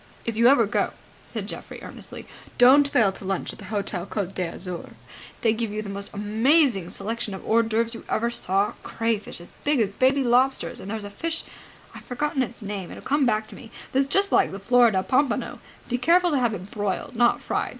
"If you ever go," said Geoffrey, earnestly, "don't fail to lunch at the Hotel Côte d'Azur. They give you the most amazing selection of hors d'oeuvres you ever saw. Crayfish as big as baby lobsters! And there's a fish I've forgotten it's name, it'll come back to me that's just like the Florida pompano. Be careful to have it broiled, not fried.